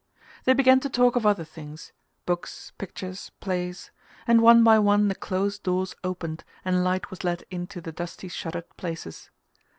They began to talk of other things: books, pictures, plays; and one by one the closed doors opened and light was let into dusty shuttered places.